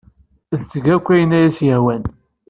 Tetteg akk ayen ay as-yehwan.